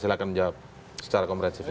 silahkan menjawab secara kompresif